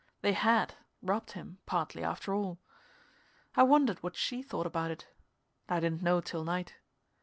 They had, robbed him, partly, after all. I wondered what she thought about it. I didn't know till night.